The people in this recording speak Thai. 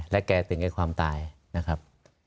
และแกติดในความตายนะครับ